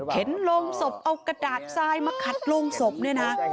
เห็นโรงศพเอากระดาษทรายมาขัดโรงศพเนี่ยนะ